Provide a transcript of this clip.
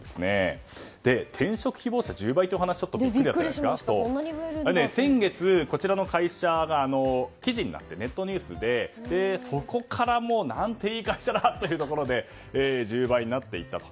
転職希望者が１０倍というお話もビックリでしたが先月、こちらの会社が記事になってネットニュースでそこから何ていい会社だというところで１０倍になっていったと。